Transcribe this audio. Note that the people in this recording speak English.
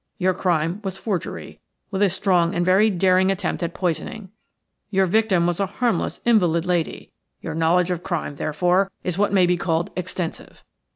Your crime was forgery, with a strong and very daring attempt at poisoning. Your victim was a harmless invalid lady. Your knowledge of crime, therefore, is what may be called extensive.